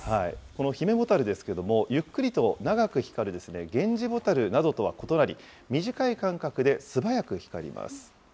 このヒメボタルですけど、ゆっくりと長く光るゲンジボタルなどとは異なり、短い間隔で素早く光ります。